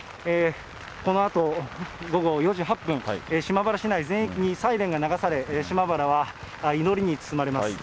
このあと午後４時８分、島原市内全域にサイレンが流され、島原は祈りに包まれます。